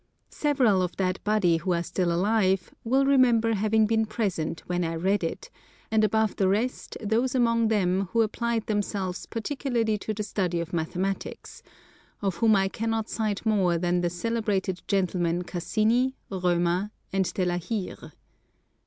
Several of that body who are still alive will remember having been present when I read it, and above the rest those amongst them who applied themselves particularly to the study of Mathematics; of whom I cannot cite more than the celebrated gentlemen Cassini, Römer, and De la Hire.